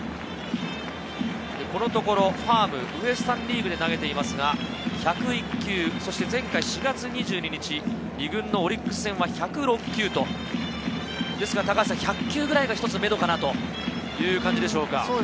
このところファーム、ウエスタン・リーグで投げていますが、１０１球、そして前回４月２２日、２軍のオリックス戦は１０６球と、１００球くらいが一つめどかなという感じでしょうか？